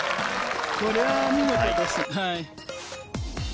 これは見事です。